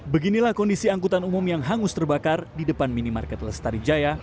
beginilah kondisi angkutan umum yang hangus terbakar di depan minimarket lestari jaya